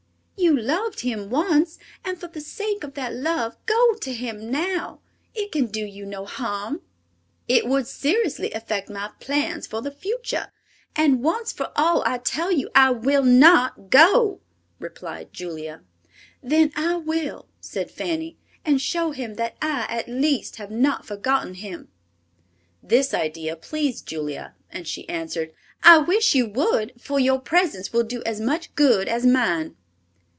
You loved him once, and for the sake of that love go to him now; it can do you no harm." "It would seriously affect my plans for the future; and once for all, I tell you I will not go," replied Julia. "Then I will," said Fanny, "and show him that I, at least, have not forgotten him." This idea pleased Julia, and she answered, "I wish you would, for your presence will do as much good as mine."